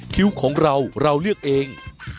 คิ้วของเราเราเลือกเอง